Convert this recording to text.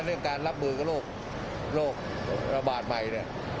เรื่องการรับมือกับโรคระบาดใหม่เนี่ย